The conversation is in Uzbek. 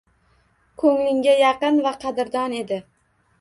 Ko’nglingga yaqin va qadrdon edi.